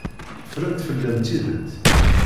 Ffrent fell-am tidet.